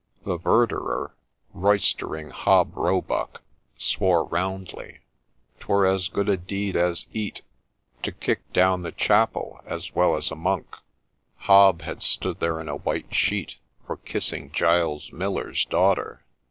The verderer, roistering Hob Roebuck, swore roundly, ' 'Twere as good a deed as eat to kick down the chapel as well as the monk.' Hob had stood there in a white sheet for kissing Giles Miller's daughter.